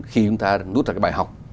khi chúng ta đút ra cái bài học